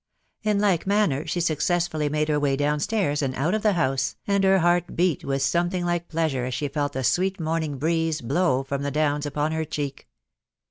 In like manner she successfully made her way down stain and out of the house, and her heart beat with something like pleasure as she felt the sweet morning breeze blow from the downs upon her cheek.